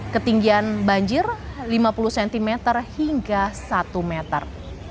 ketinggian banjir lima puluh cm hingga satu meter